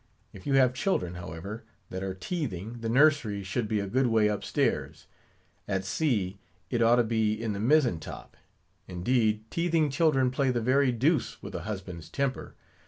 If you have children, however, that are teething, the nursery should be a good way up stairs; at sea, it ought to be in the mizzen top. Indeed, teething children play the very deuce with a husband's temper.